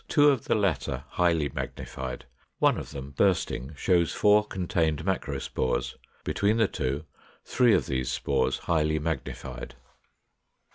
Two of the latter highly magnified; one of them bursting shows four contained macrospores; between the two, three of these spores highly magnified.